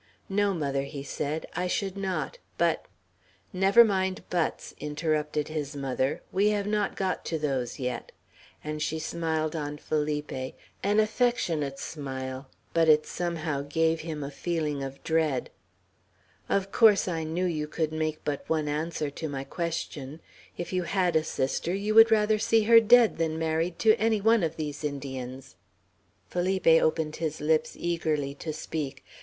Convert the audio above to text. "No, mother," he said, "I should not; but " "Never mind buts," interrupted his mother; "we have not got to those yet;" and she smiled on Felipe, an affectionate smile, but it somehow gave him a feeling of dread. "Of course I knew you could make but one answer to my question. If you had a sister, you would rather see her dead than married to any one of these Indians." Felipe opened his lips eagerly, to speak.